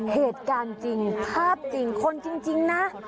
เหตุการณ์จริงภาพจริงคนจริงนะ